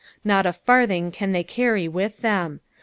Not a farthinK can they carry with them.